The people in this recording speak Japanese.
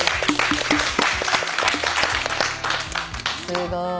すごい。